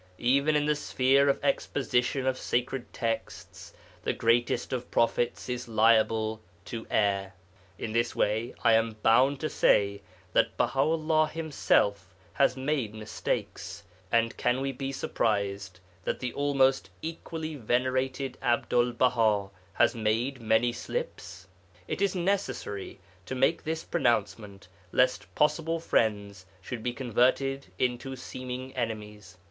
Even in the sphere of exposition of sacred texts the greatest of prophets is liable to err. In this way I am bound to say that Baha 'ullah himself has made mistakes, and can we be surprised that the almost equally venerated Abdul Baha has made many slips? It is necessary to make this pronouncement, lest possible friends should be converted into seeming enemies.